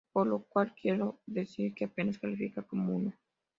Por lo cual quiero decir que apenas califica como uno".